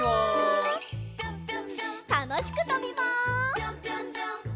たのしくとびます。